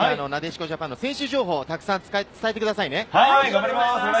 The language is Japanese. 引き続き、お２人も含めて、なでしこジャパンの選手情報をたくさん伝えてくださいね。